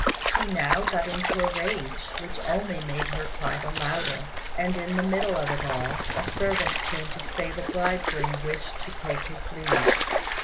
He now got into a rage, which only made her cry the louder; and in the middle of it all a servant came to say the bridegroom wished to take his leave.